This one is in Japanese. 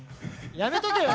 やめとけ！